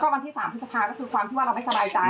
วันที่๓พฤษภาก็คือความที่ว่าเราไม่สบายใจ